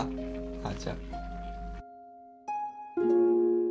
母ちゃん。